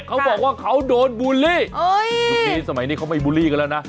เขาบอกว่าเขาโดนบูลลี่ยุคนี้สมัยนี้เขาไม่บูลลี่กันแล้วนะ